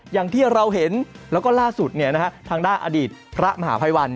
อย่างที่เราเห็นแล้วก็ล่าสุดทางด้านอดีตพระมหาภัยวัน